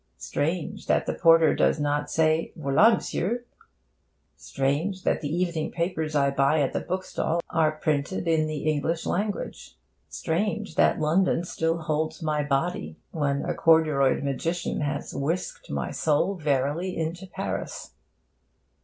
Strange, that the porter does not say, 'V'la', M'sieu'!' Strange, that the evening papers I buy at the bookstall are printed in the English language. Strange, that London still holds my body, when a corduroyed magician has whisked my soul verily into Paris.